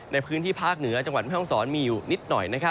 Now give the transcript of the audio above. ในพื้นที่ภาคเหนือจังหวัดแม่ห้องศรมีอยู่นิดหน่อย